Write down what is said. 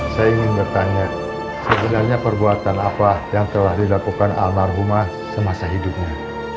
saya ingin bertanya sebenarnya perbuatan apa yang telah dilakukan almarhumah semasa hidupnya